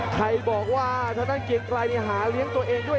ใครบอกว่าทางด้านเกียงไกรหาเลี้ยงตัวเองด้วย